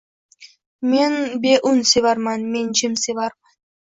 Men beun sevarman, men jim sevarman